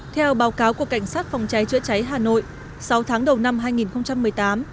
theo báo cáo của cảnh sát phòng cháy chữa cháy hà nội sáu tháng đầu năm hai nghìn một mươi tám